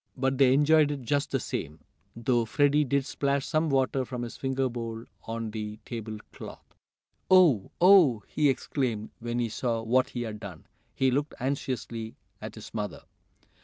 But they enjoyed it just the same, though Freddie did splash some water from his finger bowl on the table cloth. "Oh! Oh!" he exclaimed when he saw what he had done. He looked anxiously at his mother.